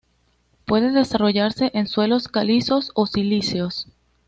Puede desarrollarse en suelos calizos o silíceos.